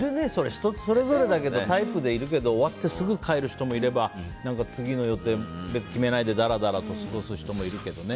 人それぞれでタイプでいるけど終わってすぐ帰る人もいれば次の予定別に決めないでダラダラと過ごす人もいるけどね。